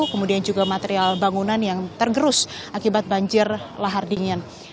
kemudian juga material bangunan yang tergerus akibat banjir lahar dingin